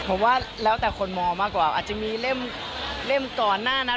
ผมว่าแล้วแต่คนมองมากกว่าอาจจะมีเล่มก่อนหน้านั้น